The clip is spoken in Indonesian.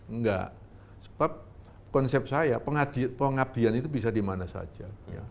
enggak sebab konsep saya pengabdian itu bisa dimana saja